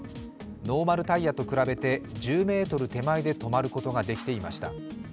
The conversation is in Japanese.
ノーマルタイヤと比べて１０ｍ手前で止まることができていました。